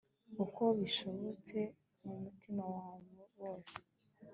uko bishobotse n'umutima wabo wose